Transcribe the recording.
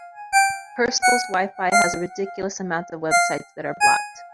Her school’s WiFi has a ridiculous amount of websites that are blocked.